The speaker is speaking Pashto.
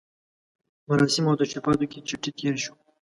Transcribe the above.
مراسمو او تشریفاتو کې چټي تېر شو.